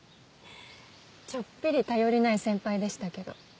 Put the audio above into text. ちょっぴり頼りない先輩でしたけど。